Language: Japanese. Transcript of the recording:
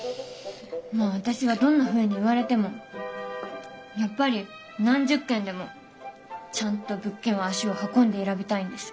まあ私はどんなふうに言われてもやっぱり何十件でもちゃんと物件は足を運んで選びたいんです。